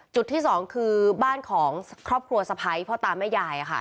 จุดที่สองคือบ้านของครอบครัวสะพ้ายพ่อตาแม่ยายค่ะ